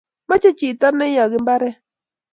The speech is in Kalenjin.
mache chiton ne yake imbaret